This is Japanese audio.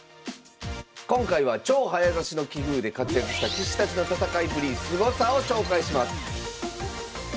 今回は超早指しの棋風で活躍した棋士たちの戦いっぷりすごさを紹介します